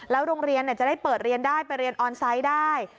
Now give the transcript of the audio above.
โรงเรียนจะได้เปิดเรียนได้ไปเรียนออนไซต์ได้